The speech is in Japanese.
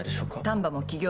丹波も企業